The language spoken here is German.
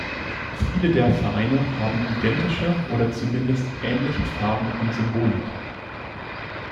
Viele der Vereine haben identische oder zumindest ähnliche Farben und Symbolik.